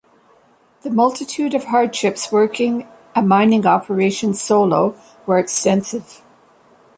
The multitude of hardships working a mining operation solo were extensive.